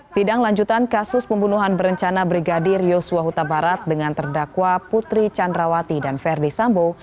sidang lanjutan kasus pembunuhan berencana brigadir yosua huta barat dengan terdakwa putri candrawati dan verdi sambo